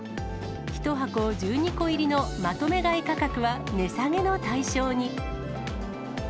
１箱１２個入りのまとめ買い価格は値下げの対象に。